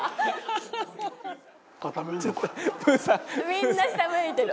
「みんな下向いてる。